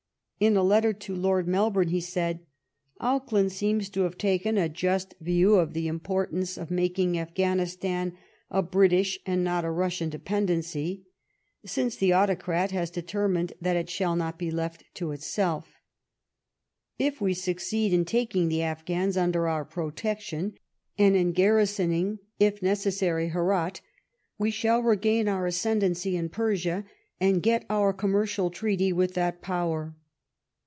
In a letter to Lord Melbourne, he said : Auckland seems to have taken a just view of the importance of making Afghanistan a British and not a Russian dependency, since the autocrat has determined that it shall not be left to itself. If we suc ceed in taking the Afghans under our protection, and in garrisoning (if necessary) Herat, we shall regain our ascendancy in Persia, and get our commercial treaty with that Power.